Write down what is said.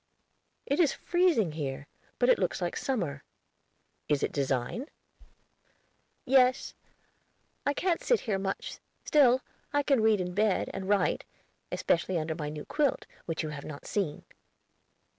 "It is freezing here, but it looks like summer. Is it design?" "Yes; I can't sit here much; still, I can read in bed, and write, especially under my new quilt, which you have not seen."